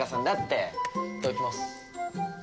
いただきます。